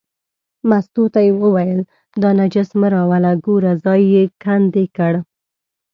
مستو ته یې وویل دا نجس مه راوله، ګوره ځای یې کندې کړ.